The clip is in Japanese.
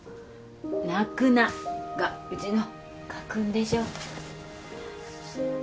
「泣くな」がうちの家訓でしょ。